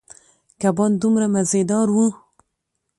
کبان دومره مزدار ووـ.